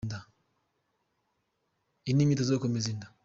Iyi ni imyitozo yo gukomeza inda.